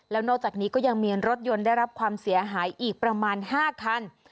แล้วนอกจากนี้ก็ยังมีรถยนต์ได้รับความเสียหายอีกประมาณ๕คัน